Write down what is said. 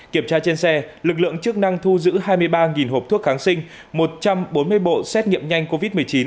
kiểm tra trên xe lực lượng chức năng thu giữ hai mươi ba hộp thuốc kháng sinh một trăm bốn mươi bộ xét nghiệm nhanh covid một mươi chín